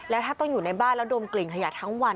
แล้วถ้าต้องอยู่ในบ้านแล้วดมกลิ่นขยะทั้งวัน